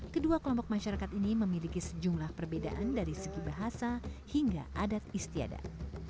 kedua kelompok masyarakat ini memiliki sejumlah perbedaan dari segi bahasa hingga adat istiadat